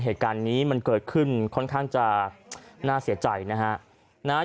เหตุการณ์นี้มันเกิดขึ้นค่อนข้างจะน่าเสียใจนะฮะ